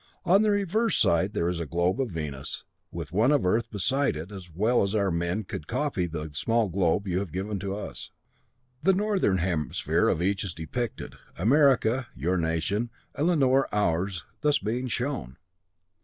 On the reverse side there is a globe of Venus, with one of Earth beside it, as well as our men could copy the small globe you have given us. The northern hemisphere of each is depicted America, your nation, and Lanor, ours, thus being shown.